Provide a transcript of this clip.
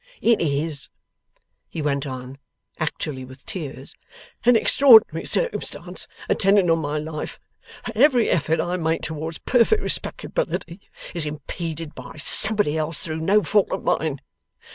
'It is,' he went on, actually with tears, 'an extraordinary circumstance attendant on my life, that every effort I make towards perfect respectability, is impeded by somebody else through no fault of mine!